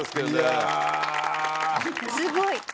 すごい！